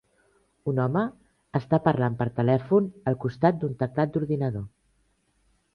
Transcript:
Un home està parlant per telèfon al costat d'un teclat d'ordinador.